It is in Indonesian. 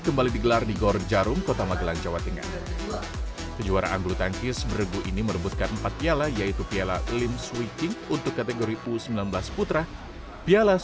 memang kejuaraan terbatas